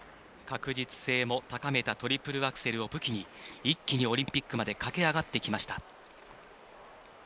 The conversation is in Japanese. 確実性も高めたトリプルアクセルを武器に一気にオリンピックまで駆け上がってきました。